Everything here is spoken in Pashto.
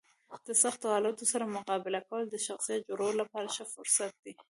د سختو حالاتو سره مقابله کول د شخصیت جوړولو لپاره ښه فرصت دی.